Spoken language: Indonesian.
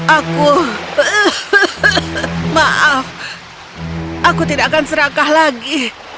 aku maaf aku tidak akan serakah lagi